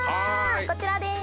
こちらです！